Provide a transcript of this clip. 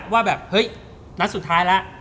ว่าแบบเฮ้ยนัดสุดท้ายแล้ว